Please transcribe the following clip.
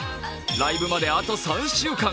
ライブまで、あと３週間。